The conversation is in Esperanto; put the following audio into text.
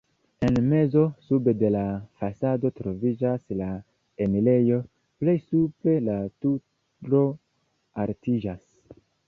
En mezo, sube de la fasado troviĝas la enirejo, plej supre la turo altiĝas.